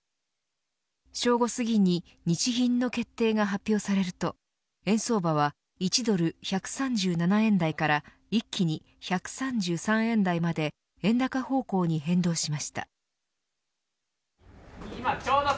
正午すぎに日銀の決定が発表されると円相場は１ドル１３７円台から一気に１３３円台まで円高方向に変動しました。